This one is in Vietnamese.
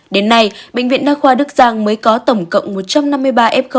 đến nay bệnh viện đa khoa đức giang mới có tổng cộng một trăm năm mươi ba f